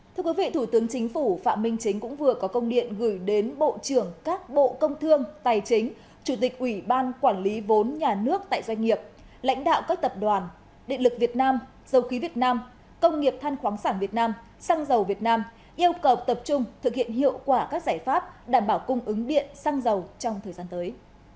thưa quý vị thủ tướng chính phủ phạm minh chính cũng vừa có công điện gửi đến bộ trưởng các bộ công thương tài chính chủ tịch ủy ban quản lý vốn nhà nước tại doanh nghiệp lãnh đạo các tập đoàn định lực việt nam dầu khí việt nam công nghiệp than khoáng sản việt nam xăng dầu việt nam yêu cầu tập trung thực hiện hiệu quả các giải pháp đảm bảo cung ứng điện xăng dầu trong thời gian tới